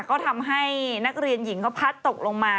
ก็ทำให้นักเรียนหญิงเขาพัดตกลงมา